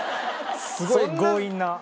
すごい強引な。